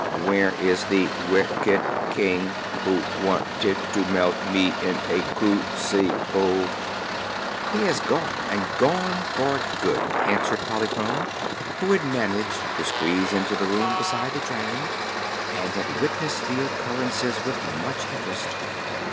"Where is the wicked King who want ed to melt me in a cru ci ble?" "He has gone, and gone for good," answered Polychrome, who had managed to squeeze into the room beside the dragon and had witnessed the occurrences with much interest.